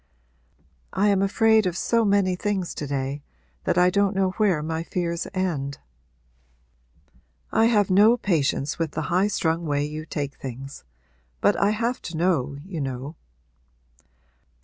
'I am afraid of so many things to day that I don't know where my fears end.' 'I have no patience with the highstrung way you take things. But I have to know, you know.'